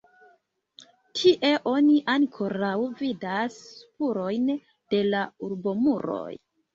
Tie oni ankoraŭ vidas spurojn de la urbomuroj.